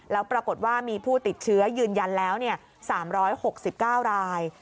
แล้วปรากฏว่ามีผู้ติดเชื้อยืนยันแล้ว๓๖๙ราย